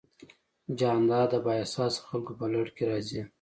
جانداد د بااحساسه خلکو په لړ کې راځي.